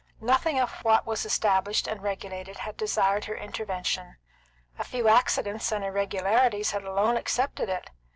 Nothing of what was established and regulated had desired her intervention; a few accidents and irregularities had alone accepted it.